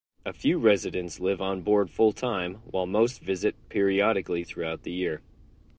A few residents live on board full-time while most visit periodically throughout the year.